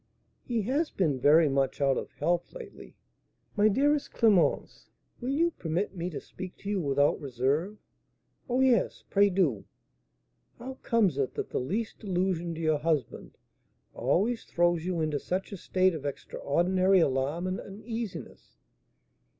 "He has been very much out of health lately." "My dearest Clémence, will you permit me to speak to you without reserve?" "Oh, yes, pray do!" "How comes it that the least allusion to your husband always throws you into such a state of extraordinary alarm and uneasiness?"